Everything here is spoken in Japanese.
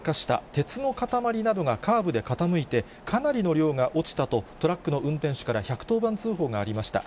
鉄の塊などがカーブで傾いて、かなりの量が落ちたと、トラックの運転手から１１０番通報がありました。